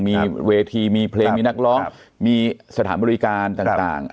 มีเวทีมีเพลงมีนักร้องครับมีสถานบริการต่างต่างครับ